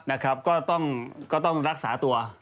นะครับก็ต้องรักษาตัว